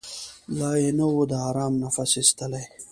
لا یې نه وو د آرام نفس ایستلی